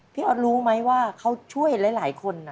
ออสรู้ไหมว่าเขาช่วยหลายคน